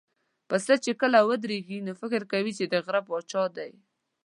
پسه چې کله ودرېږي، نو فکر کوي چې د غره پاچا دی.